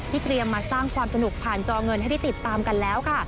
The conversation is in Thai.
เตรียมมาสร้างความสนุกผ่านจอเงินให้ได้ติดตามกันแล้วค่ะ